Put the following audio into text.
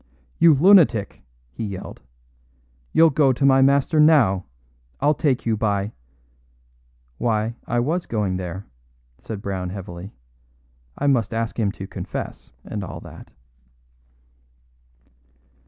"You lunatic," he yelled; "you'll go to my master now, if I take you by " "Why, I was going there," said Brown heavily; "I must ask him to confess, and all that."